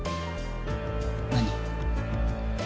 何？